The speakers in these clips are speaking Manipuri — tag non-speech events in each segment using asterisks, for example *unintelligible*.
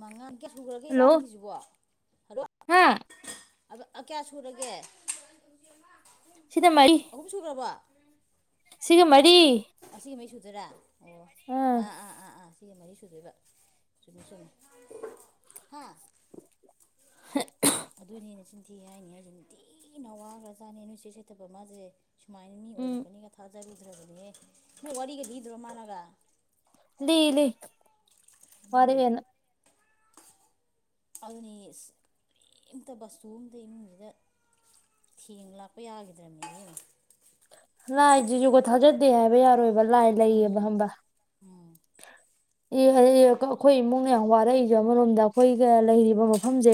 ꯃꯉꯥꯟ ꯀꯌꯥ ꯁꯨꯈ꯭ꯔꯒꯦ ꯍꯜꯂꯣ ꯏꯕꯥꯅꯤꯒꯤꯁꯤꯕꯨ ꯍꯥ ꯑꯗꫭ ꯀꯌꯥ ꯁꯨꯔꯒꯦ ꯁꯤꯗ ꯃꯔꯤ ꯑꯍꯨꯝ ꯁꯨꯨꯈ꯭ꯔꯕꯥ ꯁꯤꯒ ꯃꯔꯤ ꯑꯁꯤꯒꯥ ꯃꯔꯤ ꯁꯨꯗꯩꯔ ꯑꯣ ꯑꯥ ꯑꯥ-ꯑꯥ-ꯑꯥ-ꯑꯥ ꯁꯤ ꯃꯔꯤ ꯁꯨꯗꯣꯏꯕ ꯆꯨꯝꯃꯤ-ꯆꯨꯝꯃꯤ ꯍꯥ ꯑꯗꯨꯅꯦꯅꯦ ꯁꯨꯝ ꯇꯤ ꯍꯥꯏꯅꯤ ꯍꯥꯏꯁꯦꯅꯤ ꯅꯨꯡꯇꯤ ꯅꯋꯥꯒ꯭ꯔꯖꯥꯅꯤ ꯅꯣꯏꯆꯦ ꯁꯦꯠꯇꯕ ꯃꯥꯁꯦ ꯁꯨꯃꯥꯏꯅ ꯃꯤ ꯎꯝ ꯑꯣꯏꯔꯛꯀꯅꯤꯒ ꯊꯥꯖꯒꯤꯗ꯭ꯔꯕꯅꯦꯍꯦ ꯅꯣꯏ ꯋꯥꯔꯤꯒ ꯂꯤꯗ꯭ꯔꯣ ꯃꯥꯅꯒ ꯂꯤ-ꯂꯤ ꯑꯗꯨꯅꯦ ꯋꯥꯔꯦꯑꯦꯅ ꯑꯜꯅꯤꯁ ꯀꯔꯤꯑꯝꯇ ꯕꯇꯨ ꯑꯃꯇ ꯏꯃꯨꯡꯁꯤꯗ ꯊꯦꯡ ꯂꯥꯛꯄ ꯌꯥꯈꯔꯤꯗ꯭ꯔꯕꯅꯤꯅꯦ ꯂꯥꯏꯖꯤꯁꯨꯨꯕ ꯊꯥꯖꯗꯦ ꯍꯥꯏꯕ ꯌꯥꯔꯣꯏꯕ ꯂꯥꯏ ꯂꯩꯔꯤꯑꯦꯕ ꯍꯝꯕ ꯑꯣꯝ ꯑꯦ ꯍꯔꯦ ꯑꯀꯥ ꯈꫭꯏ ꯏꯃꯨꯡꯅꯦ ꯋꯥꯔꯛꯏꯁꯦ ꯑꯃꯔꯣꯝꯗ ꯑꯩꯈꯣꯏꯒ ꯂꯩꯔꯤꯕ ꯃꯐꯝꯁꯦ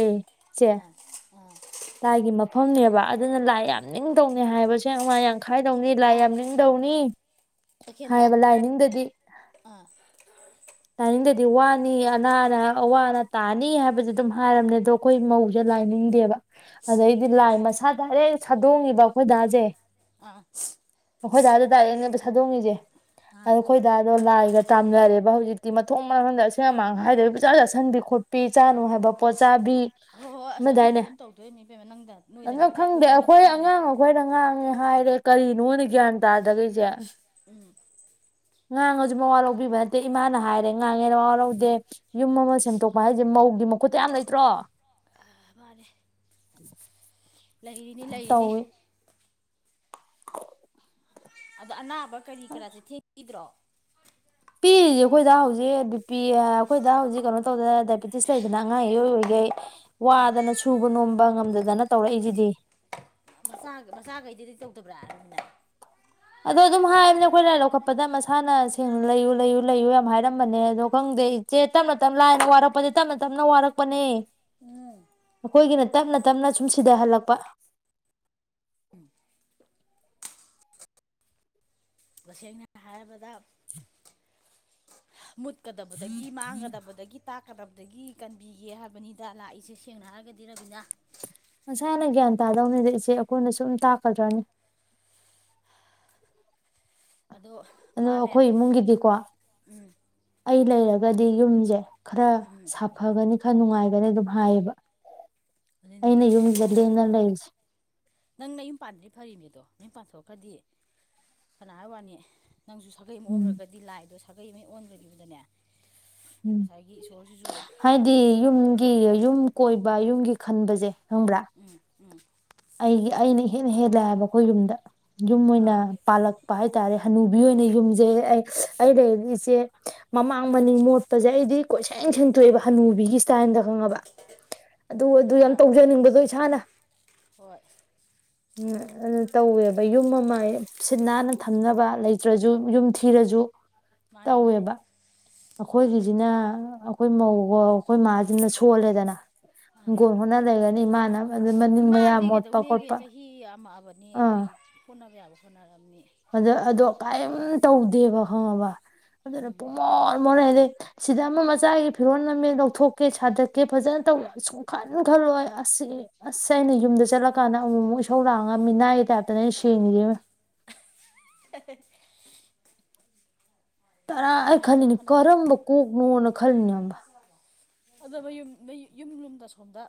ꯏꯆꯦ ꯎꯝ ꯂꯥꯏꯒꯤ ꯃꯐꯝꯅꯦꯕ ꯑꯗꯨꯅ ꯂꯥꯏ ꯌꯥꯝ ꯅꯤꯡꯗꯧꯅꯤ ꯍꯥꯏꯑꯦꯕ ꯁꯦꯟꯋꯥꯏ ꯌꯥꯝꯈꯥꯏꯗꯧꯅꯤ ꯂꯥꯏ ꯌꯥꯝ ꯅꯤꯡꯗꯧꯅꯤ ꯑꯦꯈꯦꯟꯖ ꯍꯥꯏꯕ ꯂꯥꯏꯅꯤꯡꯗꯗꯤ ꯑꯥ ꯇꯥꯅꯤꯡꯗꯗꯤ ꯋꯥꯅꯤ ꯑꯅꯥꯅ ꯑꯋꯥ ꯑꯅꯥ ꯇꯥꯅꯤ ꯍꯥꯏꯕꯗꯨ ꯑꯗꯨꯝ ꯍꯥꯏꯔꯝꯃꯦ ꯑ ꯑꯩꯈꯣꯏ ꯃꯧꯁꯦ ꯂꯥꯏꯅꯤꯡꯗꯦꯕ ꯑꯗꯩꯗꯤ ꯑꯥ ꯂꯥꯏ ꯃꯁꯥ ꯗꯥꯏꯔꯦꯛ ꯁꯥꯗꯣꯡꯉꯤꯕ ꯑꯩꯈꯣꯏꯗꯥꯁꯦ ꯑꯥ ꯑꯩꯈꯣꯏ ꯗꯥꯗ ꯇꯥꯛꯔꯛꯦꯅꯦꯕ ꯁꯥꯗꯣꯡꯉꯁꯦ ꯑꯗ ꯑꯥ ꯑꯩꯈꯣꯏ ꯗꯥꯗꯣ ꯂꯥꯏꯒ ꯇꯥꯝꯅꯔꯦꯕ ꯍꯧꯖꯤꯛꯇꯤ ꯤ ꯃꯊꯣꯡ ꯃꯝꯗ ꯑꯁꯦꯡ ꯑꯃꯥꯡ ꯍꯥꯏꯗꯕꯤ ꯄꯨꯖꯥ ꯆꯥꯁꯤꯟꯕꯤ ꯈꯣꯠꯄꯤ ꯆꯥꯅꯨ ꯍꯥꯏꯕ ꯄꯣꯠ ꯆꯥꯕꯤ ꯍꯣꯏ ꯍꯣꯏ ꯑꯁ ꯑꯗꯨꯗꯤ ꯃꯗꯥꯏꯅꯦ ꯑꯗꯨꯝ ꯇꯧꯗꯣꯏꯅꯤ ꯏꯕꯦꯝꯃ ꯅꯪꯗ ꯅꯣꯏꯗ ꯅꯅ ꯅꯠꯇꯦ ꯈꯪꯗꯦ ꯑꯩꯈꯣꯏꯁꯨ ꯉꯥꯏ ꯑꯩꯈꯣꯏ ꯆꯞ ꯃꯥꯟꯅꯩ ꯑꯉꯥꯡ ꯑꯩꯈꯣꯏꯅ ꯉꯥꯡꯉꯦ ꯍꯥꯏꯔꯦ ꯀꯔꯤꯅꯣꯅ ꯒ꯭ꯌꯥꯟ ꯇꯥꯗꯈꯩꯁꯦ ꯎꯝ ꯉꯥꯡꯉꯁꯨ ꯃꯋꯥ ꯂꯧꯕꯤꯕ ꯅꯠꯇꯦ ꯏꯃꯥꯅ ꯍꯥꯏꯔꯦ ꯉꯥꯡꯉꯦ ꯃꯋꯥ ꯂꯧꯗꯦ ꯌꯨꯝ ꯑꯃ ꯁꯦꯝꯗꯣꯛꯄ ꯍꯥꯏꯁꯦ ꯃꯧꯒꯤ ꯃꯈꯨꯠꯇ ꯌꯥꯝ ꯂꯩꯇ꯭ꯔꯣ ꯃꯥ *unintelligible* ꯂꯩꯔꯤꯅꯤ ꯂꯩꯔꯤꯅꯤ ꯇꯧꯏ *unintelligible* ꯑꯗꯣ ꯑꯅꯥꯕ ꯀꯔꯤ ꯀꯔꯥꯁꯦ ꯊꯦꯡꯕꯤꯗ꯭ꯔꯣ ꯄꯤꯔꯤꯁꯦ ꯑꯩꯈꯣꯏꯗ ꯍꯧꯖꯤꯛ ꯕꯤꯄꯤꯤ ꯑꯩꯈꯣꯏꯗ ꯍꯧꯖꯤꯛ ꯀꯩꯅꯣ ꯇꯧꯗꯅ ꯗꯥꯏꯕꯤꯦꯇꯤꯁ ꯂꯩꯗꯅ ꯑꯉꯥ ꯑꯏ ꯑꯣꯏꯔꯤꯈꯩ ꯑꯥ ꯋꯥꯗꯅ ꯁꯨꯕ ꯅꯣꯝꯕ ꯉꯝꯗꯗꯅ ꯇꯧꯔꯛꯏꯁꯤꯗꯤ ꯃꯆꯥ ꯃꯆꯥꯈꯩꯗꯤꯗꯤ ꯇꯧꯗꯕ꯭ꯔꯥꯅ ꯑꯗꯣ ꯑꯗꯨꯝ ꯍꯥꯏꯕꯅꯦ ꯑꯩꯈꯣꯏ ꯂꯥꯏꯔꯤ ꯂꯧꯈꯠꯄꯗ ꯃꯁꯥꯅ ꯁꯦꯡꯅ ꯂꯩꯌꯨ ꯂꯩꯌꯨ ꯂꯩꯌꯨ ꯌꯥꯝ ꯍꯥꯏꯔꯝꯕꯅꯦ ꯑꯗꯣ ꯈꯪꯗꯦ ꯁꯦ ꯇꯞꯅ ꯇꯞ ꯂꯥꯏꯔ ꯋꯥꯔꯛꯄꯅꯦ ꯇꯞꯅ ꯇꯞꯅ ꯋꯥꯔꯛꯄꯅꯦ ꯎꯝ ꯑꯩꯈꯣꯏꯒꯤꯅ ꯇꯞꯅ ꯇꯞꯅ ꯁꯨꯝ ꯁꯤꯗꯍꯜꯂꯛꯄ ꯇꯁꯦꯡꯅ ꯍꯥꯏꯔꯕꯗ *unintelligible* ꯃꯨꯠꯀꯗꯕꯗꯒꯤ ꯃꯥꯡꯒꯗꯕꯗꯒꯤ ꯇꯥꯛꯀꯗꯕꯗꯒꯤ ꯀꯟꯕꯤꯒꯦ ꯍꯥꯏꯕꯅꯤꯗ ꯂꯥꯛꯏꯁꯦ ꯁꯦꯡꯅ ꯍꯥꯏꯔꯒꯗꯤ ꯔꯕꯤꯅꯥ ꯃꯥꯁꯥꯅ ꯒ꯭ꯌꯥꯟ ꯇꯥꯗꯧꯅꯤꯗ ꯏꯆꯦ ꯑꯩꯈꯣꯏꯅ ꯁꯨꯝ ꯇꯥꯛꯀꯗ꯭ꯔꯅꯤ ꯑꯗꯣ ꯑꯗꯣ ꯃꯥꯅꯦ ꯑꯩꯈꯣꯏ ꯏꯃꯨꯡꯒꯤꯗꯤꯀꯣ ꯑꯩ ꯂꯩꯔꯒꯗꯤ ꯌꯨꯝꯁꯦ ꯈꯔ ꯁꯥ ꯐꯒꯅꯤ ꯈꯔ ꯅꯨꯡꯉꯥꯏꯒꯅꯤ ꯑꯗꯨꯝ ꯍꯥꯏꯌꯦꯕ ꯑꯗꯨꯅꯦ ꯑꯩꯅ ꯌꯨꯝꯁꯤꯗ ꯂꯦꯡꯗꯅ ꯂꯩꯔꯤꯁꯦ ꯅꯪ ꯅ ꯌꯨꯝ ꯄꯥꯟꯗ꯭ꯔꯤ ꯐꯔꯤꯅꯦꯗꯣ ꯅꯨꯝ ꯄꯥꯟ ꯊꯣꯛꯣꯛꯈꯗꯤ ꯐꯅ ꯋꯥꯅꯤ ꯅꯪꯁꯨ ꯁꯥꯒꯩ ꯑꯃ ꯎꯝ ꯑꯣꯟꯈ꯭ꯔꯒꯗꯤ ꯂꯥꯛꯑꯗꯣ ꯁꯥꯒꯩ ꯑꯃ ꯑꯣꯟꯈꯈꯤꯕꯗꯅꯦ ꯎꯝ ꯍꯥꯏꯗꯤ ꯌꯨꯝꯒꯤ ꯌꯨꯝ ꯀꯣꯏꯕ ꯌꯨꯝꯒꯤ ꯈꯟꯕꯁꯦ ꯈꯪꯕ꯭ꯔꯥ ꯎꯝ ꯎꯝ ꯑꯩꯒꯤ ꯑꯩꯅ ꯍꯦꯟꯅ ꯍꯦꯜꯂꯑꯕ ꯑꯩꯈꯣꯏ ꯌꯨꯝꯗ ꯌꯨꯝ ꯑꯣꯏꯅ ꯑꯥ ꯄꯥꯜꯂꯛ ꯍꯥꯏꯇꯥꯔꯦ ꯍꯅꯨꯕꯤ ꯑꯣꯏꯅ ꯌꯨꯝꯁꯦ ꯑꯩ ꯑꯩ ꯂꯩ ꯏꯆꯦ ꯃꯃꯥꯡ ꯃꯅꯤꯡ ꯃꯣꯠ ꯐꯖꯩ ꯑꯩꯗꯤ ꯀꯣꯏꯁꯦꯡ ꯁꯦꯡꯇꯣꯛꯑꯦꯕ ꯍꯅꯨꯕꯤꯒꯤ ꯏꯁꯇꯥꯏꯜꯗ ꯈꯪꯉꯕ ꯑ ꯑꯗꯨ ꯑꯗꯨ ꯌꯥꯝ ꯇꯧꯖꯅꯤꯡꯕꯗꯣ ꯏꯁꯥꯅ ꯍꯣꯏ ꯎ ꯑꯗꯨ ꯇꯧꯋꯦꯕ ꯌꯨꯝ ꯑꯃ ꯁꯤꯠ ꯅꯥꯟꯅ ꯊꯝꯅꯕ ꯂꯩꯇ꯭ꯔꯁꯨ ꯌꯨꯝ ꯊꯤꯔꯁꯨ ꯃꯥꯅꯤ ꯃꯥꯅꯤ ꯇꯧꯋꯦꯕ ꯑꯩꯈꯣꯏꯒꯤꯁꯤꯅ ꯑꯩꯈꯣꯏ ꯃꯧꯒ ꯑꯩꯈꯣꯏ ꯃꯥꯥꯁꯤꯅ ꯁꯣꯜꯂꯦꯗꯅ ꯑꯥ ꯍꯤꯡꯒꯣꯜ ꯍꯣꯅ ꯂꯩꯔꯅꯤ ꯏꯃꯥꯅꯕ ꯑꯗꯨꯗ ꯃꯅꯤꯡ ꯃꯌꯥꯝ ꯀꯩꯗꯧꯅꯦꯒꯤ ꯆꯍꯤ ꯑꯃꯑꯕꯅꯦ ꯑꯥ ꯅꯣꯏ ꯍꯣꯠꯅꯕ ꯌꯥꯕ ꯍꯣꯠꯅꯔꯝꯅꯦ ꯑꯗ ꯑꯗꯣ ꯀꯔꯤꯝ ꯇꯧꯗꯦꯕ ꯈꯪꯉꯕ ꯑꯗꯨꯅ ꯎꯝ ꯄꯃꯣꯟ ꯃꯣꯅ ꯍꯥꯏꯗꯤ ꯁꯤꯗ ꯑꯃ ꯃꯆꯥꯒꯤ ꯐꯤꯔꯣꯜ ꯑꯃꯃꯦ ꯂꯧꯊꯣꯛꯀꯦ ꯁꯥꯗꯠꯀꯦ ꯐꯖꯅ ꯇꯧ ꯁꯨꯝ ꯈꯟ ꯈꯜꯂꯣꯏ ꯑꯁꯤ ꯑꯁ ꯑꯩꯅ ꯌꯨꯝꯗ ꯆꯠꯂꯀꯥꯟꯗ ꯑꯃꯨꯛ ꯑꯃꯨꯛ ꯏꯁꯧ ꯂꯥꯡꯉ ꯃꯤꯅꯥꯏꯒꯤ ꯇꯥꯏꯞꯇꯅ ꯑꯩꯅ ꯁꯦꯡꯉꯤꯗ ꯑ ꯇꯔꯥ ꯅꯪꯅ ꯂꯣꯏꯅ ꯈꯜꯂꯤꯅꯦ ꯍꯣꯠꯅꯔꯦ ꯀꯔꯝꯕ ꯀꯣꯛꯅꯣꯅ ꯈꯜꯂꯤꯅꯦ ꯑꯝꯕ ꯑꯗꯨ ꯃꯌꯨꯝ ꯌꯨꯝ ꯌꯨꯝꯗ ꯁꯣꯝꯗ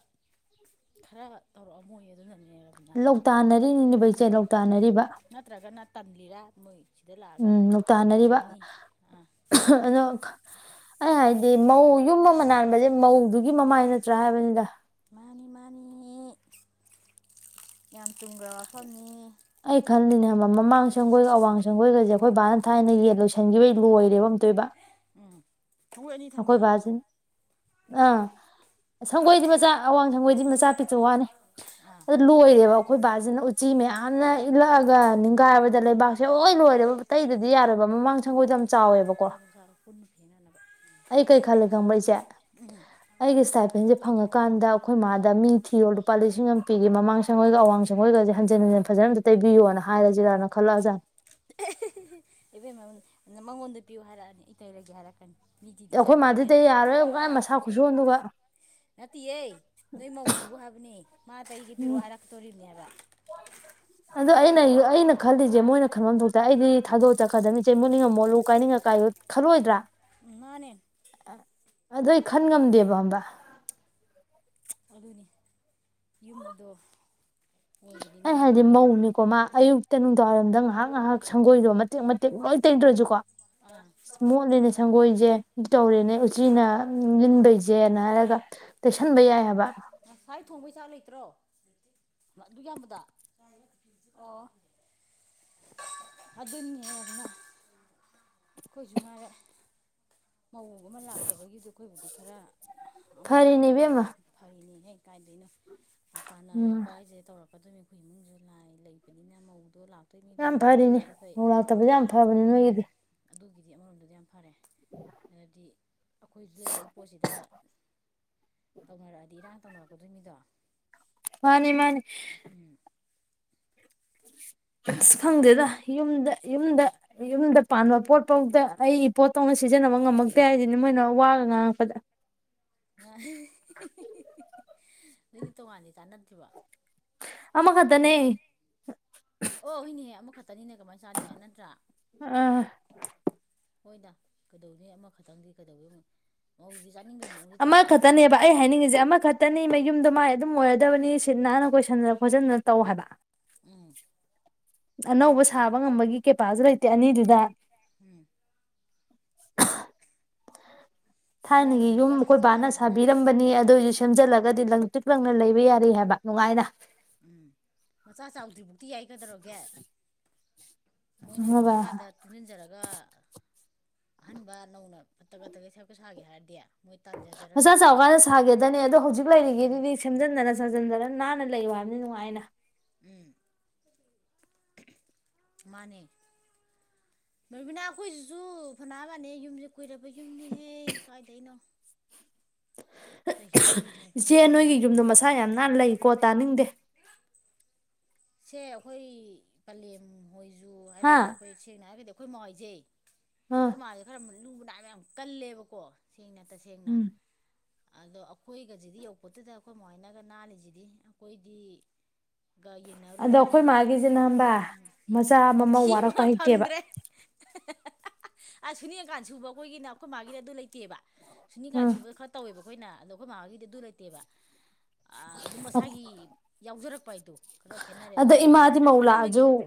ꯈꯔ ꯇꯧꯔꯛꯑꯝ ꯃꯣꯏ ꯑꯗꯨꯅꯅꯦ ꯔꯕꯤꯅꯥ ꯂ ꯂꯧꯇꯥꯟꯅꯔꯤꯅꯤꯅꯦꯕꯩꯆꯦ ꯎꯝ ꯂꯧ ꯇꯥꯟꯅꯔꯤꯕ ꯅꯠꯇ꯭ꯔꯒꯅ ꯇꯝꯂꯤꯔꯥ ꯃꯣꯏ ꯁꯤꯗ ꯂꯥꯛꯑꯒ ꯎꯝ ꯂꯧꯇꯥꯟꯅꯔꯤꯕ ꯇꯧꯖꯅꯤ ꯑ ꯑꯗꯣ ꯑꯩ ꯍꯥꯏꯗꯤ ꯃꯧ ꯌꯨꯝ ꯑꯃ ꯅꯥꯟꯕꯁꯦ ꯃꯧꯗꯨꯒꯤ ꯃꯃꯥꯏ ꯅꯠꯇ꯭ꯔꯥ ꯍꯥꯏꯕꯅꯤꯗ ꯃꯥꯅꯤ ꯃꯥꯅꯤ ꯌꯥꯝ ꯆꯨꯝꯈ꯭ꯔꯕ ꯃꯐꯝꯅꯤ ꯑꯩ ꯈꯜꯂꯤꯅꯦ ꯃꯃꯥꯡ ꯁꯪꯒꯣꯏꯒ ꯑꯋꯥꯡ ꯁꯪꯒꯣꯏꯒꯁꯦ ꯑꯩꯈꯣꯏ ꯕꯥꯅ ꯊꯥꯏꯅ ꯌꯦꯟ ꯂꯣꯏꯁꯟꯈꯤꯕꯒꯤ ꯂꯣꯏꯔꯦꯕ ꯑꯝꯇꯣꯏꯕ ꯎꯝ ꯁꯪꯒꯣꯏ ꯑꯅꯤ ꯊꯝꯕꯤꯔꯣ ꯅꯈꯣꯏꯕꯖ ꯑꯥ ꯁꯪꯒꯣꯏꯗꯤ ꯃꯆꯥ ꯑꯋꯥꯡ ꯁꯪꯒꯣꯏꯗꯤ ꯃꯆꯥ ꯄꯤꯛꯁꯨ ꯋꯥꯅꯤ ꯑꯥ ꯑꯗꯨ ꯂꯣꯏꯔꯦꯕ ꯑꯩꯈꯣꯏ ꯕꯥꯁꯤꯅ ꯎꯆꯤ ꯃꯌꯥꯝꯅ ꯏꯜꯂꯛꯑꯒ ꯅꯤꯡꯈꯥꯏꯕꯗ ꯂꯩꯕꯥꯛꯁꯦ ꯂꯣꯏ ꯂꯣꯏꯔꯦꯕ ꯇꯇꯩꯗꯗꯤ ꯌꯥꯔꯣꯏꯕ ꯃꯃꯥꯡ ꯁꯪꯒꯣꯏꯗꯣ ꯌꯥꯝ ꯆꯥꯎꯋꯦꯕꯀꯣ ꯁꯥꯔ ꯄꯨꯟꯅ ꯄꯤꯅꯅꯦꯕ ꯑꯩ ꯀꯩ ꯈꯜꯂꯦ ꯈꯪꯕ꯭ꯔ ꯏꯆꯦ ꯎꯝ ꯑꯩꯒꯤ ꯏꯁꯇꯥꯥꯏꯄꯦꯟꯁꯦ ꯐꯪꯉꯀꯥꯟꯗ ꯑꯩꯈꯣꯏ ꯃꯥꯗ ꯃꯤ ꯊꯤꯔꯣ ꯂꯨꯄꯥ ꯂꯤꯁꯤꯡ ꯑꯃ ꯄꯤꯒꯤ ꯃꯃꯥꯡ ꯁꯦꯡꯒꯣꯏꯒ ꯑꯋꯥꯡ ꯁꯦꯡꯣꯏꯒꯁ ꯍꯟ ꯍꯟꯖꯅꯝ ꯇꯩꯕꯤꯌꯣꯅ ꯍꯥꯏꯔ ꯖꯤꯔꯥꯅ ꯈꯜꯂꯛꯑꯖꯥꯠ ꯏꯕꯦꯝ ꯃꯉꯣꯟꯗ ꯄꯤꯌꯨ ꯍꯥꯏꯔꯛꯑꯅꯤ ꯏꯇꯔꯒꯦ ꯍꯥꯏꯔꯛꯀꯅꯤ ꯃꯤ ꯇꯤꯗꯨ ꯑꯩꯈꯣꯏ ꯃꯥꯗꯤꯗꯤ ꯁꯔꯛꯄꯨꯗꯤꯅ ꯌꯥꯔꯣꯏ ꯑꯃꯨꯀꯥꯏ ꯃꯁꯥ ꯈꯨꯠꯁꯨꯣꯟ ꯑꯗꯨꯒ ꯅꯠꯇꯦꯌꯦ ꯅꯣꯏ ꯃꯧꯗꯨꯕꯨ ꯍꯥꯏꯕꯅꯦ ꯃꯥ ꯇ ꯑꯩꯒ ꯎꯝ ꯄꯤꯔꯛꯑꯣ ꯍꯥꯏꯔꯛꯇꯣꯔꯤꯕꯅꯦꯕ ꯑꯗꯣ ꯑꯩꯅ ꯑꯩꯅ ꯈꯜꯂꯤꯁꯦ ꯃꯣꯏꯅ ꯈꯟꯕ ꯊꯣꯛꯇ ꯑꯩꯗꯤ ꯊꯥꯗꯣꯛ ꯆꯠꯀꯗꯕꯅꯤꯁꯦ ꯃꯨꯠꯅꯤꯡꯉ ꯃꯣꯠꯂꯨ ꯀꯥꯏꯅꯤꯡꯉ ꯀꯥꯏꯌꯨ ꯈꯜꯂꯣꯏꯗ꯭ꯔꯥ ꯃꯥꯅꯦ ꯑꯗꯨ ꯑꯩ ꯈꯟ ꯉꯝꯗꯦꯕ ꯑꯝꯕ ꯑꯗꯨꯅꯤ ꯌꯨꯝ ꯑꯗꯣ ꯑꯣꯏꯕꯅꯤꯅ ꯑꯩ ꯅꯣꯡ ꯍꯥꯏꯗꯤ ꯐꯥꯗꯣꯛ ꯃꯧꯅꯤꯀꯣ ꯃꯥ ꯑꯌꯨꯛꯇ ꯅꯨꯡꯗꯥꯡꯋꯥꯏꯔꯣꯝꯗ ꯉꯥꯏꯍꯥꯛ ꯉꯥꯏꯍꯥꯛ ꯁꯪꯒꯣꯏꯗꯣ ꯃꯇꯦꯛ ꯃꯇꯦꯛ ꯂꯣꯏ ꯇꯩꯗ꯭ꯔꯁꯨꯀꯣ ꯑꯥ ꯃꯣꯠꯂꯦꯅꯦ ꯁꯪꯒꯣꯏꯁꯦ ꯇꯧꯔꯦꯅꯦ ꯎꯆꯤꯅ ꯂꯤꯟꯕꯩꯁꯦꯅ ꯍꯥꯏꯔꯒ ꯇꯩꯁꯟꯕ ꯌꯥꯏꯑꯕ ꯉꯁꯥꯏ ꯊꯣꯡꯕꯩ ꯆꯥꯛ ꯂꯩꯇ꯭ꯔꯣ ꯑꯗꯨ ꯌꯥꯝꯌꯥꯝꯕꯗ ꯑꯣ ꯑꯗꯨꯅꯤꯅ ꯑꯩꯈꯣꯏꯁꯨ ꯉꯥꯏꯔ ꯃꯑꯣꯡ ꯑꯃ ꯂꯥꯛꯇꯕꯒꯤꯗꯤ ꯑꯩꯈꯣꯏꯕꯨꯗꯤ ꯈꯔ ꯑꯃꯅ ꯐꯔꯤꯅꯦ ꯑꯃꯅ ꯏꯕꯦꯝꯃ ꯐꯩꯅꯤꯉꯩ ꯀꯥꯏꯗꯣꯏꯅꯣ ꯎꯝ ꯀꯥꯟꯅꯔꯛꯄ ꯍꯥꯏꯁꯦ ꯇꯧꯔꯛꯀꯗꯣꯏꯅꯤ ꯑꯩꯈꯣꯏ ꯏꯃꯨꯡꯁꯨ ꯂꯥꯏ ꯂꯩꯕꯅꯤꯅ ꯃꯧꯗꯣ ꯂꯥꯛꯇꯣꯏ ꯌꯥꯝ ꯃꯤꯗꯨꯅ ꯐꯔꯤꯅꯦ ꯈꯪꯕꯤꯔꯗꯤ ꯐꯩ ꯃꯧ ꯂꯥꯛꯇꯕꯁꯦ ꯌꯥꯝ ꯐꯕꯅꯦ ꯎꯝ ꯅꯣꯏꯒꯤꯗꯤ ꯑꯗꯨꯒꯤꯗꯤ ꯑꯃꯔꯣꯝꯗꯗꯤ ꯌꯥꯝ ꯐꯔꯦ ꯍꯥꯏꯗꯤ ꯑꯩꯈꯣꯏꯁꯨ ꯂꯩꯖꯔꯤꯕ ꯄꯣꯠꯁꯤꯗ ꯇꯧꯅꯔꯛꯑꯗꯤ ꯏꯔꯥꯡ ꯇꯧꯅꯔꯛꯀꯗꯣꯏ ꯃꯤꯗꯣ ꯃꯥꯅꯤ ꯃꯥꯅꯤ ꯑꯁ ꯑꯗꯨꯗꯨꯅ ꯐꯪꯗꯦꯗ ꯌꯨꯝꯗ ꯌꯨꯝꯗ ꯌꯨꯝꯗ ꯄꯥꯟꯕ ꯄꯣꯠꯐꯧꯗ ꯑꯩ ꯄꯣꯠꯇꯧꯅ ꯁꯤꯖꯤꯟꯅꯕ ꯉꯝꯃꯛꯇꯦ ꯍꯥꯏꯁꯤꯅꯦ ꯃꯣꯏꯅ ꯋꯥꯒ ꯉꯥꯡꯉꯛꯄꯗ ꯅꯣꯏꯗꯤ ꯇꯣꯉꯥꯟꯅꯤ ꯀꯥꯟꯅꯗ꯭ꯔꯤꯕꯣ ꯑꯃꯃ ꯈꯗꯅꯦ ꯑꯣ ꯍꯣꯏꯅꯦꯍꯦ ꯑꯃꯨꯛ ꯈꯛꯇꯅꯤꯅꯦ ꯀꯃꯥꯏꯅ ꯆꯥꯅꯤ ꯅꯠꯇ꯭ꯔꯥ ꯑ ꯍꯣꯏꯗ ꯀꯩꯗꯧꯅꯤ ꯑꯃꯈꯛꯇꯪꯗꯤ ꯀꯩꯗꯧꯋꯦꯧꯗꯤ ꯌꯥꯅꯤꯡꯕ ꯃꯑꯣ ꯑꯃꯃ ꯈꯇꯅꯦꯕ ꯑꯩ ꯍꯥꯏꯅꯤꯡꯉꯤꯁꯦ ꯑꯃꯈꯛꯇꯅꯤ ꯃ ꯌꯨꯝꯗꯣ ꯃꯥꯏ ꯑꯗꯨꯝ ꯑꯣꯏꯔꯗꯕꯅꯤ ꯁꯤꯠ ꯅꯥꯟꯅ ꯀꯣꯏꯁꯟꯅꯗ ꯈꯣꯠꯆꯟꯗꯅ ꯇꯧ ꯍꯥꯏꯕ ꯎꯝ ꯑꯅꯧꯕ ꯁꯥꯕ ꯉꯝꯕꯒꯤ ꯀꯦꯄꯥꯁꯤꯇ ꯂꯩꯇꯦ ꯑꯅꯤꯗꯨꯗ ꯎꯝ ꯃꯣꯏꯅ ꯊꯥꯏꯅꯒꯤ ꯌꯨꯝ ꯉꯝꯃꯒ ꯑꯩꯈꯣꯏ ꯁꯥꯖ ꯕꯥꯅ ꯇꯥꯔꯦꯗꯅ ꯁꯥꯕꯤꯔꯝꯕꯅꯤ ꯑꯗꯨꯑꯣꯏ ꯁꯦꯝꯖꯤꯜꯂꯒꯗꯤ ꯂꯪ ꯇꯤꯛ ꯂꯪꯅ ꯂꯩꯕ ꯌꯥꯔꯤ ꯍꯥꯏꯕ ꯅꯨꯡꯉꯥꯏꯅ ꯎꯝ ꯃꯆꯥ ꯆꯥꯎꯗ꯭ꯔꯤ ꯐꯧꯇꯤ ꯌꯥꯏꯒꯗꯔꯒꯦ ꯃꯣꯏꯅ ꯈꯪꯉꯕ ꯉꯝꯃꯀꯥꯟꯗ ꯇꯨꯝꯁꯤꯟꯖꯔꯒ ꯑꯍꯟꯕ ꯅꯧꯅ ꯐꯠꯇꯒꯠꯇꯒ ꯁꯀ ꯁꯥꯒꯦ ꯍꯥꯏꯔꯗꯤ ꯃꯣꯏ ꯇꯥꯖꯦ ꯃꯆꯥ ꯆꯥꯎ ꯀꯥꯟꯅ ꯁꯥꯒꯦꯗꯅꯦ ꯑꯗꯣ ꯍꯧꯖꯤꯛ ꯂꯩꯔꯤꯗꯨꯗꯤ ꯁꯦꯝꯖꯤꯟꯗꯅ ꯁꯥꯖꯟꯗꯅ ꯅꯥꯟꯅ ꯂꯩꯌꯨ ꯍꯥꯏꯕꯅꯤ ꯅꯨꯡꯉꯥꯏꯅ ꯎꯝ ꯃꯥꯅꯦ ꯕꯔꯕꯤꯅꯥ ꯑꯩꯈꯣꯏꯁꯤꯁꯨ ꯐꯅꯥꯅꯕꯅꯦ ꯌꯨꯝꯁꯦ ꯀꯨꯏꯔꯕ ꯌꯨꯝꯅꯤꯍꯦ ꯀꯥꯏꯗꯩꯅꯣ ꯆꯍꯤꯕꯨ ꯏꯆꯦ ꯍꯨꯝꯐꯨ ꯅꯣꯏꯒꯤ ꯌꯨꯝꯗ ꯍꯨꯝꯐꯨꯔꯥꯃꯨꯛ ꯃꯁꯥ ꯌꯥꯝ ꯍꯥꯏꯔꯝꯃꯅꯤ ꯅꯥꯟꯅ ꯂꯩꯀꯣ ꯇꯥꯅꯤꯡꯗꯦ ꯁꯦ ꯑꯩꯈꯣꯏ ꯄꯂꯦꯝ ꯍꯣꯏꯁꯨ ꯍꯥ ꯍꯥꯏꯇꯥꯔꯦ ꯑꯩꯈꯣꯏ ꯁꯦꯡꯅ ꯍꯥꯏꯔꯒꯗꯤ ꯑꯩꯈꯣꯏ ꯃꯋꯥꯏꯖꯩ ꯎꯝ ꯃꯥꯁꯦ ꯈꯔ ꯂꯨ ꯅꯥꯏꯕ ꯌꯥꯝ ꯀꯜꯂꯦꯕꯀꯣ ꯁꯦꯡꯅ ꯇꯁꯦꯡꯅ ꯎꯝ ꯑꯗꯣ ꯑꯩꯈꯣꯏꯒꯁꯤꯗꯤ ꯌꯧꯄꯗꯨꯨꯗ ꯑꯩꯈꯣꯏ ꯃꯃꯥꯏꯅꯒ ꯅꯥꯜꯂꯤꯁꯤꯗꯤ ꯑꯩꯈꯣꯏꯗꯤ ꯒ ꯑꯗꯣ ꯑꯩꯈꯣꯏ ꯌꯦꯡꯅꯔꯨꯔꯗꯤ ꯃꯥꯒꯤꯁꯤꯅ ꯈꯪꯕ꯭ꯔꯥ ꯃꯆꯥ ꯎꯝ ꯑꯃꯃꯧ ꯄꯤꯤ ꯋꯥꯔꯛꯄ ꯑꯃ ꯍꯩꯇꯦꯕ ꯐꯪꯗ꯭ꯔꯦ ꯑ ꯁꯨꯅꯤꯀꯥꯟ ꯁꯨꯕ ꯑꯩꯈꯣꯏꯒꯤꯅ ꯑꯩꯈꯣꯏ ꯃꯥꯒꯤꯅ ꯑꯗꯨ ꯂꯩꯇꯦꯕ ꯁꯨꯅꯤꯀꯥꯟ ꯎꯝ ꯁꯨꯕ ꯈꯔ ꯇꯧꯋꯦꯕ ꯑꯩꯈꯣꯏꯅ ꯑꯗꯣ ꯑꯩꯈꯣꯏ ꯃꯃꯥꯒꯤꯗꯤ ꯑꯗꯨ ꯂꯩꯇꯦꯕ ꯑꯗꯨꯝ ꯃꯁꯥꯒꯤ ꯌꯥꯎꯖꯔꯛꯄ ꯍꯥꯏꯗꯣ ꯈꯔ ꯈꯦꯠꯅꯔꯦ ꯑꯗꯨꯅ ꯃꯥꯅ ꯃꯟꯕꯒꯤ ꯧ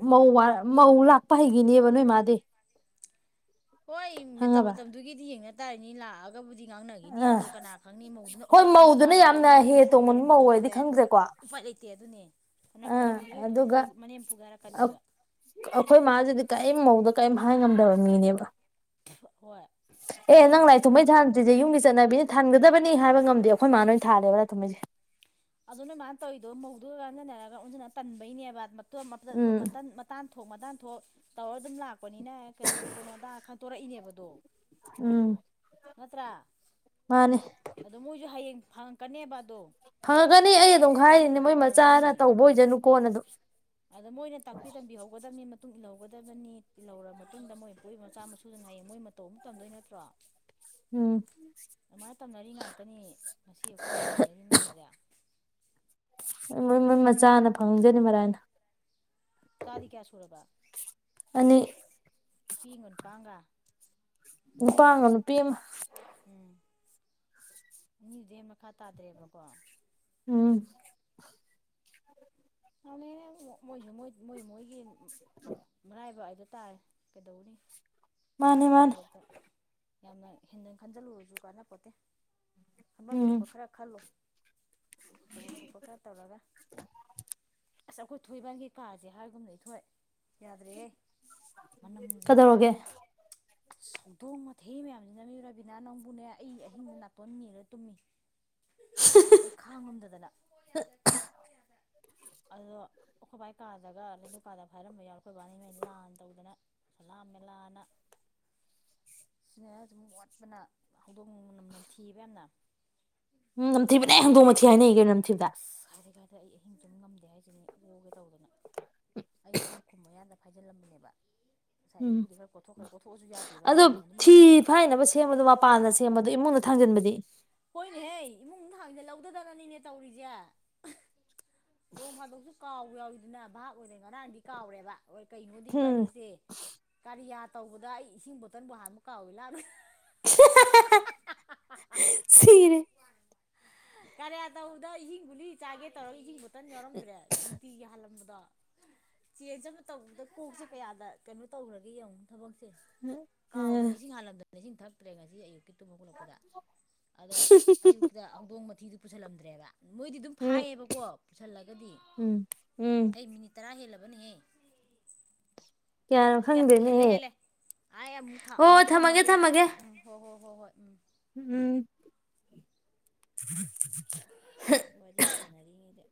ꯃꯧ ꯂꯥꯛꯄ ꯍꯩꯒꯤꯅꯦꯕ ꯅꯣꯏ ꯃꯥꯗꯤ ꯍꯣꯏ ꯃꯇꯝ ꯈꯪꯉꯕ ꯃꯇꯝꯗꯨꯒꯤꯗꯤ ꯌꯦꯦꯡꯅ ꯇꯥꯔꯅꯤ ꯂꯥꯛꯑꯒ ꯒꯕꯨꯗꯤ ꯉꯥꯡꯅꯈꯤꯅꯤ ꯑꯥ ꯑꯗꯨꯗꯣ ꯀꯅꯥ ꯈꯪꯅꯤ ꯃꯧꯗꯨꯅ ꯍꯣꯏ ꯑꯣꯟꯈꯠꯇꯅ ꯃꯧꯗꯨꯅ ꯆꯥꯕꯤ ꯌꯥꯝꯅ ꯍꯦ ꯃꯅꯦꯝ ꯐꯨꯕꯤ ꯇꯣꯡꯕ ꯃꯧ ꯑꯣꯏꯔꯃꯗꯤ ꯑꯣꯏꯔꯗꯤ ꯇꯣꯛꯑꯦ ꯈꯪꯗ꯭ꯔꯦꯀꯣ ꯎꯄꯥꯥꯏ ꯂꯩꯇꯦ ꯑꯗꯨꯅꯦ ꯍꯅ ꯑꯥ ꯐꯔꯝꯕꯁꯨ ꯑꯗꯨꯝ ꯑꯗꯨꯒ ꯃꯅꯦꯝ ꯐꯨꯒꯔꯛꯀꯅꯤꯕ ꯑꯩꯈꯣꯏ ꯃꯥꯁꯤꯗꯤ ꯀꯔꯤꯝ ꯃꯧꯗ ꯀꯔꯤꯝ ꯍꯥꯏ ꯉꯝꯗꯕ ꯃꯤꯅꯦꯕ ꯍꯣꯏ ꯑꯦ ꯅꯪ ꯑꯗꯨꯅꯦ ꯂꯥꯏ ꯊꯨꯝꯕꯩ ꯊꯥꯗ꯭ꯔꯤꯁꯦ ꯌꯨꯝꯒꯤ ꯆꯠꯅꯕꯤꯅ ꯊꯥꯟꯒꯗꯕꯅꯤ ꯍꯥꯏꯕ ꯉꯝꯗꯦ ꯑꯩꯈꯣꯏ ꯃꯥ ꯅꯣꯏꯅ ꯊꯥꯂꯦꯕ ꯂꯥꯏ ꯊꯕꯩꯁꯦ ꯑꯗꯨꯅ ꯃꯥꯥꯏꯅ ꯇꯧꯔꯤꯗꯣ ꯃꯧꯗꯨꯒꯥꯟꯅꯅꯔꯒ ꯑꯣꯟꯁꯤꯅ ꯇꯟꯕꯩꯅꯦꯕ ꯎꯝ ꯃꯇꯥꯟ ꯊꯣꯛ ꯃꯇꯥꯟ ꯊꯣꯛ ꯇꯧꯔ ꯑꯗꯨꯝ ꯂꯥꯛꯄꯅꯤꯅ ꯀꯩꯗꯧꯔꯨꯒꯅꯣ ꯑꯗꯥ ꯇꯣꯔꯛꯏꯅꯦꯕꯗꯣ ꯎꯝ ꯅꯠꯇ꯭ꯔ ꯃꯥꯅꯦ ꯑꯗꯣ ꯃꯣꯏꯁꯨ ꯍꯌꯦꯡ ꯐꯪꯉꯛꯀꯅꯦꯕ ꯑꯗꯣ ꯐꯪꯉꯛꯀꯅꯤ ꯑꯩ ꯑꯗꯨꯝ ꯍꯥꯏꯔꯤꯅꯦ ꯑꯗꯨ ꯃꯣꯏ ꯃꯆꯥꯅ ꯇꯧꯕ ꯑꯣꯏꯖꯅꯨꯀꯣꯅ ꯑꯗꯨꯝ ꯑꯗꯣ ꯃꯣꯏꯅ ꯇꯥꯛꯄꯤ ꯇꯝꯕꯤꯍꯧꯒꯗꯕꯅꯤ ꯃꯇꯨꯡ ꯏꯜꯍꯧꯒꯗꯕꯅꯤ ꯏꯍꯧꯔ ꯃꯇꯨꯡꯗ ꯃꯣꯏ ꯏꯣꯏ ꯃꯆꯥ ꯃꯁꯨꯗꯨꯅ ꯍꯥꯏꯌꯦꯡ ꯃꯣꯏ ꯃꯇꯣ ꯑꯃꯨꯛ ꯇꯝꯗꯣꯏ ꯅꯠꯇ꯭ꯔꯣ ꯎꯝ ꯑꯗꯨꯃꯥꯏꯅ ꯇꯝꯅꯔꯤ ꯉꯥꯛꯇꯅꯤ ꯉꯁꯤ ꯑꯩꯈꯣꯏꯅ ꯍꯤꯡꯅꯔꯤ ꯃꯌꯥꯝꯁꯦ ꯃꯣꯏ ꯃꯣꯏ ꯃꯆꯥꯅ ꯐꯪꯖꯅꯤ ꯃꯔꯥꯏꯅ ꯆꯥꯗꯤ ꯀꯌꯥ ꯁꯨꯔꯕ ꯑꯅꯤ ꯅꯨꯄꯤꯒ ꯅꯨꯄꯥꯒ ꯅꯨꯄꯥ ꯑꯃ ꯅꯨꯄꯤ ꯑꯃ ꯎꯝ ꯃꯤꯗꯨꯗꯤꯩ ꯃꯈꯥ ꯇꯥꯗ꯭ꯔꯦꯕꯀꯣ ꯎꯝ ꯍꯅꯦꯅꯦ ꯃꯣꯏꯁꯨ ꯃꯣꯏ ꯃꯣꯏꯒꯤ ꯃꯔꯥꯏꯕ ꯍꯥꯏꯗ ꯇꯥꯔꯦ ꯀꯩꯗꯧꯅꯤ ꯃꯥꯥꯏ ꯃꯥꯅꯦ ꯃꯥꯏ ꯃꯥꯅꯦ ꯂꯥꯏꯕꯛꯇ ꯌꯥꯝꯅ ꯍꯦꯟꯗꯟ ꯈꯟꯖꯤꯜꯂꯨꯨꯔꯁꯨ ꯀꯥꯟꯅꯄꯣꯠꯇꯦ ꯈꯟꯐꯝ ꯎꯝ ꯊꯣꯛꯄ ꯈꯔ ꯈꯜꯂꯣ ꯇꯣꯐꯝ ꯊꯣꯛꯣꯄ ꯈꯔ ꯇꯧꯔꯒ ꯑꯁ ꯑꯩꯈꯣꯏ ꯊꯣꯏꯕꯥꯒꯤ ꯀꯥꯖꯦ ꯍꯥꯏꯒꯨꯝꯅ ꯏꯊꯣꯏ ꯌꯥꯗ꯭ꯔꯦꯌꯦ ꯃꯅꯝꯁꯦ ꯀꯗꯧꯔꯒꯦ ꯁꯧꯗꯣꯡ ꯃꯊꯤ ꯃꯌꯥꯝꯁꯤꯅ ꯔꯥꯕꯤꯅꯥ ꯅꯪꯕꯨꯅꯦ ꯑꯩ ꯑꯍꯤꯡꯗ ꯅꯥꯇꯣꯟ ꯃꯦꯜꯂ ꯇꯨꯝꯃꯤ ꯑꯩ ꯈꯥꯡꯉꯝꯗꯗꯅ ꯑꯗꯨꯗꯣ ꯑꯩꯈꯣꯏ ꯕꯥꯏ ꯀꯥꯗꯒ ꯂꯥꯏꯅꯤꯡꯗꯧ ꯀꯥꯗ ꯐꯥꯏꯔꯝꯕ ꯌꯥꯎꯏ ꯑꯩꯈꯣꯏ ꯕꯥꯅ ꯏꯃꯩ ꯂꯥꯟ ꯇꯧꯗꯅ ꯀꯂꯥ ꯃꯦꯂꯥꯅ ꯁꯤꯅ ꯁꯨꯝ ꯋꯥꯠꯄꯅ ꯍꯧꯗꯣꯡ ꯃꯅꯝ ꯅꯝꯊꯤꯌꯦꯕ ꯌꯥꯝꯅ ꯎꯝ ꯅꯝꯊꯤꯕꯅꯦ ꯍꯧꯗꯣꯡ ꯃꯊꯤ ꯍꯥꯏꯅꯩ ꯀꯩꯅꯣ ꯅꯝꯊꯤꯕꯗ ꯑꯗ ꯑꯩ ꯑꯍꯤꯡ ꯇꯨꯝ ꯉꯝꯗꯦ ꯍꯥꯏꯁꯤꯅꯤ ꯑꯣꯒꯦ ꯇꯧꯗꯅ ꯑꯩ ꯂꯨ ꯈꯨꯝ ꯃꯌꯥꯗ ꯐꯥꯏꯖꯤꯜꯂꯝꯕꯅꯦꯕ ꯉꯁꯥꯏ ꯎꯝ ꯑꯌꯨꯛꯄꯨꯗꯤ ꯈꯔ ꯀꯣꯊꯣꯛꯈ꯭ꯔꯦ ꯀꯣꯊꯣꯛꯑꯁꯨ ꯌꯥꯗꯦꯕ ꯑꯗꯣ ꯃꯅꯝ ꯑꯗꯨꯝ ꯊꯤ ꯂꯩꯍꯧꯋꯦꯕ ꯐꯥꯏꯅꯕ ꯁꯦꯝꯕꯗꯣ ꯃꯄꯥꯟꯗꯤ ꯁꯦꯝꯕꯗꯨ ꯏꯃꯨꯡꯗ ꯊꯥꯡꯖꯤꯟꯕꯗꯤ ꯍꯣꯏꯅꯦꯍꯦ ꯏꯃꯨꯡꯗ ꯊꯥꯡꯖꯟꯍꯧꯗꯅꯤꯅꯦ ꯇꯧꯔꯤꯁꯦ ꯅꯣꯡ ꯐꯥꯗꯣꯛꯁꯨ ꯀꯥꯎꯕ ꯌꯥꯎꯏꯗꯅ ꯚꯥꯥꯛ ꯑꯣꯏꯅ ꯉꯔꯥꯡꯗꯤ ꯀꯥꯎꯔꯦꯕ ꯍꯣꯏ ꯀꯩꯅꯣꯗꯤ ꯎꯝ ꯏꯕꯥꯅꯤꯁꯦ ꯀꯥꯔꯤꯌꯥ ꯇꯧꯕꯗ ꯑꯩ ꯏꯁꯤꯡ ꯕꯣꯇꯜꯕꯨ ꯍꯥꯟꯕ ꯀꯥꯎꯋꯤ ꯂꯥꯛꯅꯨ ꯁꯤꯔꯦ ꯀꯥꯔꯤꯌꯥ ꯇꯧꯕꯗ ꯏꯁꯤꯡ ꯒꯨꯂꯤ ꯆꯥꯒꯦ ꯇꯧꯔ ꯏꯁꯤꯡ ꯕꯇꯟ ꯌꯥꯎꯔꯝꯗ꯭ꯔꯦ ꯅꯨꯡꯇꯤꯒꯤ ꯍꯥꯜꯂꯝꯕꯗꯣ ꯆꯦꯟꯖ ꯑꯃ ꯇꯧꯕꯗ ꯀꯣꯛꯁꯦ ꯀꯌꯥꯗ ꯀꯩꯅꯣ ꯇꯧꯈ꯭ꯔꯒꯦ ꯌꯦꯡꯉꯨ ꯊꯕꯛꯁꯦ ꯎꯝ ꯀꯥꯎꯗꯅ ꯏꯁꯤꯡ ꯍꯥꯜꯂꯝꯗꯅ ꯏꯁꯤꯡ ꯊꯛꯇ꯭ꯔꯦ ꯉꯁꯤ ꯑꯌꯨꯛꯀꯤ ꯇꯨꯝ ꯍꯧꯒꯠꯂꯛꯄꯗ ꯑꯗꯣ ꯑꯌꯨꯛꯇ ꯍꯧꯗꯣꯡ ꯃꯊꯤꯗꯨ ꯄꯨꯁꯜꯂꯝꯗ꯭ꯔꯦꯕ ꯃꯣꯏꯗꯤ ꯑꯗꯨꯝ ꯎꯝ ꯐꯥꯏꯌꯦꯕꯀꯣ ꯄꯨꯁꯜꯂꯒꯗꯤ ꯎꯝ ꯎꯝ ꯍꯩ ꯃꯤꯅꯤꯠ ꯇꯔꯥ ꯍꯦꯜꯂꯕꯅꯦꯍꯦ ꯀꯌꯥꯅꯣ ꯍꯦꯜꯂꯦ ꯈꯪꯗꯦꯅꯦꯍꯦ ꯍꯦꯜꯂꯦ ꯑꯩꯥ ꯑꯃꯨꯛ ꯑꯃꯨꯛ ꯊꯝꯃꯒꯦ ꯎꯝ ꯍꯣꯏ ꯍꯣꯏ ꯍꯣꯏ ꯍꯣꯏ ꯎꯝ ꯎꯝ ꯋꯥꯔꯤ ꯁꯥꯟꯅꯔꯤꯉꯩꯗ